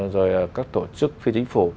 rồi là các tổ chức phi chính phủ